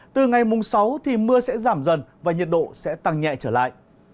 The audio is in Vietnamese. từ ngày mùng sáu mưa sẽ giảm dần và nhiệt độ sẽ tăng nhẹ trở lại